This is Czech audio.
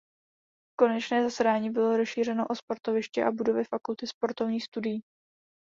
Konečné zadání bylo rozšířeno o sportoviště a budovy Fakulty sportovních studií.